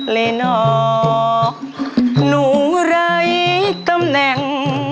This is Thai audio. เลนอกหนูไร้ตำแหน่ง